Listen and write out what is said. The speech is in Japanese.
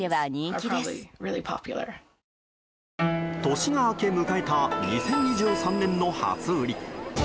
年が明け迎えた２０２３年の初売り。